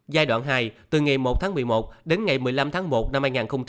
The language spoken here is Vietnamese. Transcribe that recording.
giai đoạn hai từ ngày một tháng một mươi một đến ngày một mươi năm tháng một năm hai nghìn hai mươi